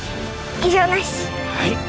はい！